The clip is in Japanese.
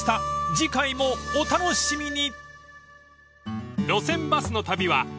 ［次回もお楽しみに！］